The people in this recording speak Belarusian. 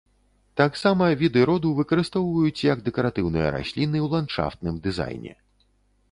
Таксама віды роду выкарыстоўваюць як дэкаратыўныя расліны ў ландшафтным дызайне.